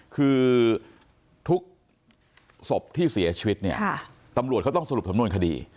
คือทุกศพที่เสียชีวิตเนี่ยตำรวจเขาต้องสรุปสำนวนคดี